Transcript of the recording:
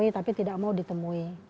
tapi tidak mau ditemui